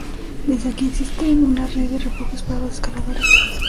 Desde aquí, existen una red de refugios para los escaladores.